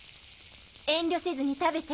遠慮せずに食べて！